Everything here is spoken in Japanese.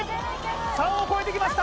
３を超えてきました